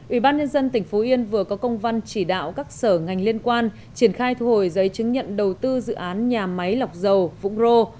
ủy ban nhân dân tỉnh phú yên vừa có công văn chỉ đạo các sở ngành liên quan triển khai thu hồi giấy chứng nhận đầu tư dự án nhà máy lọc dầu vũng rô